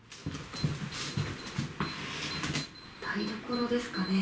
台所ですかね。